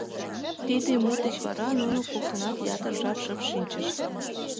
Тиде мут деч вара нуно коктынат ятыр жап шып шинчышт.